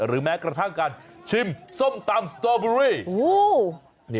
แม้กระทั่งการชิมส้มตำสตอเบอรี่